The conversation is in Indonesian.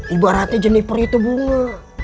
ibaratnya jenipur itu bunga